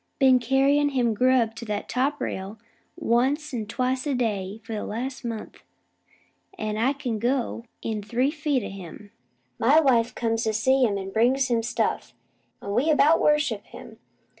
Been carryin' him grub to that top rail once an' twice a day for the last month, an' I can go in three feet o' him. My wife comes to see him, an' brings him stuff; an' we about worship him.